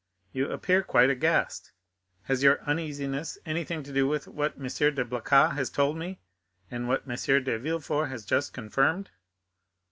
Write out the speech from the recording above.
"You appear quite aghast. Has your uneasiness anything to do with what M. de Blacas has told me, and M. de Villefort has just confirmed?"